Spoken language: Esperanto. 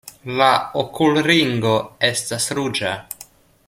La okulringo estas ruĝa.